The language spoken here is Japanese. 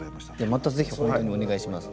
またぜひ本当にお願いします。